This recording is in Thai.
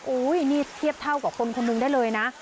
อุ้ยนี่เทียบเท่ากับคนคนหนึ่งได้เลยนะ